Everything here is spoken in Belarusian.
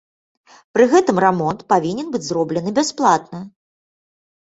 Пры гэтым рамонт павінен быць зроблены бясплатна.